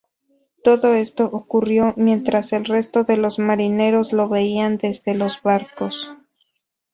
Todo esto ocurrió mientras el resto de los marineros lo veían desde los barcos.